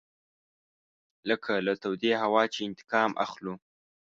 لکه له تودې هوا چې انتقام اخلو.